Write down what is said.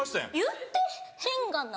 言ってへんがな。